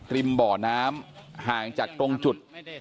บ่อน้ำห่างจากตรงจุด